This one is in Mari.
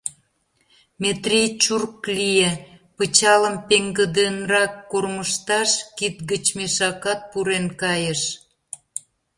Метрий чурк лие, пычалым пеҥгыдынрак кормыжташ, кид гыч мешакат пурен кайыш.